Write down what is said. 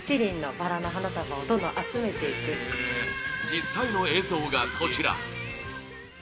実際の映像が、こちら！